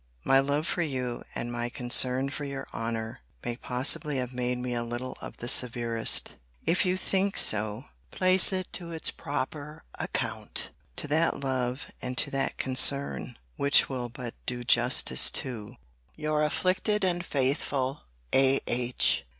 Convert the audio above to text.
My love for you, and my concern for your honour, may possibly have made me a little of the severest. If you think so, place it to its proper account; to that love, and to that concern: which will but do justice to Your afflicted and faithful A.H.